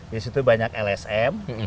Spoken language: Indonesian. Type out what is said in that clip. disitu banyak lsm